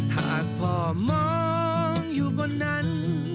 หากพ่อมองอยู่บนนั้น